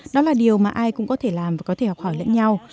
đó là điều mà ai cũng có thể làm và có thể học hỏi lẫn nhau